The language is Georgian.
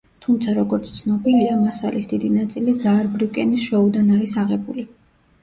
თუმცა, როგორც ცნობილია, მასალის დიდი ნაწილი ზაარბრიუკენის შოუდან არის აღებული.